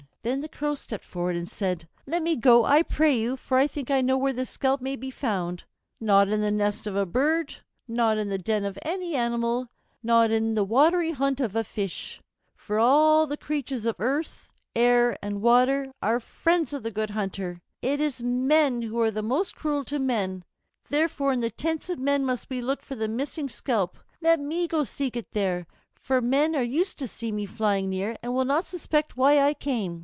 Then the Crow stepped forward and said, "Let me go, I pray you, for I think I know where the scalp may be found; not in the nest of a bird, not in the den of any animal, not in the watery haunt of a fish. For all the creatures of earth, air, and water are friends of the Good Hunter. It is men who are most cruel to men: therefore in the tents of men must we look for the missing scalp. Let me go to seek it there, for men are used to see me flying near and will not suspect why I come."